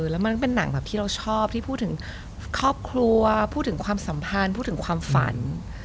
แล้วมันก็เป็นหนังแบบที่เราชอบที่พูดถึงครอบครัวพูดถึงความสัมพันธ์พูดถึงความฝัน